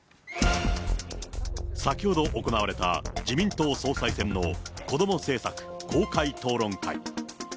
先ほど行われた自民党総裁選のこども政策公開討論会。